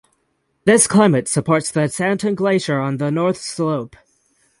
This climate supports the Stanton Glacier on the north slope.